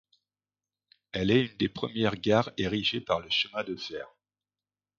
Elle est une des premières gares érigée par le chemin de fer.